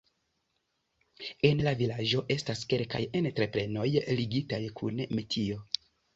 En la vilaĝo estas kelkaj entreprenoj ligitaj kun metio.